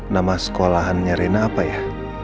nama sekolahannya rena apa ya